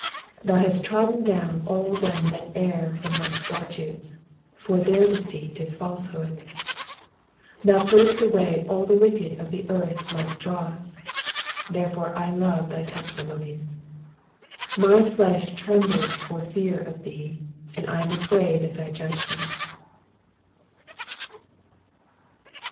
118 Thou hast trodden down all them that err from thy statutes : for their deceit is falsehood. 119 Thou puttest away all the wicked of the earth like dross : therefore I love thy testimonies. 120 My flesh trembleth for fear of thee ; and I am afraid of thy judgments.